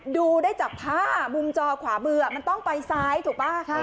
ดูได้จากผ้ามุมจอขวามือมันต้องไปซ้ายถูกป่ะ